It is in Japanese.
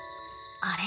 あれ？